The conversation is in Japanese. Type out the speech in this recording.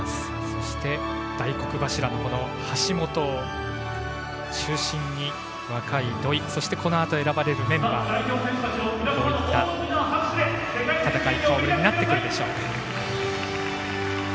そして、大黒柱の橋本を中心に若い土井そしてこのあと選ばれるメンバーどういった顔ぶれ、戦いになってくるでしょうか。